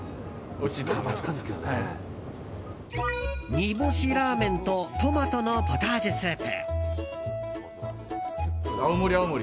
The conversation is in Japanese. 煮干しラーメンとトマトのポタージュスープ。